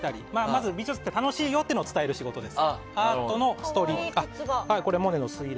まず美術って楽しいよっていうのを伝える仕事です。